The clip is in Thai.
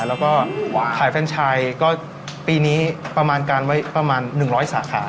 แล้วก็ขายแฟนชายก็ปีนี้ประมาณการไว้ประมาณ๑๐๐สาขา